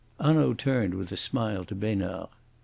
Hanaud turned with a smile to Besnard.